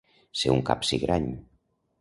Ser un capsigrany.